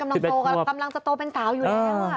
กำลังจะโตเป็นสาวอยู่แล้ว